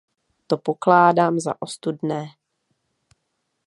To pokládám za ostudné.